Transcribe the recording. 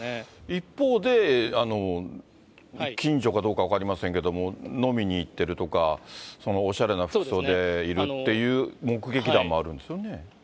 一方で、近所かどうか分かりませんけれども、飲みに行ってるとか、おしゃれな服装でいるっていう目撃談もあるんですよね。